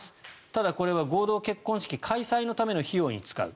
ただこれは合同結婚式の開催の費用に使う。